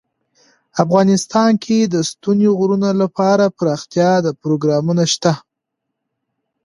افغانستان کې د ستوني غرونه لپاره دپرمختیا پروګرامونه شته.